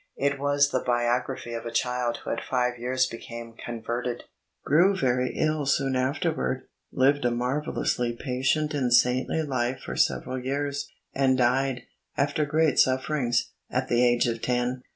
It was the biography of a child who at five years became converted, grew very ill soon afterward, lived a marvel lously patient and saindy life for several years, and died, after great suflferings, at the age of ten.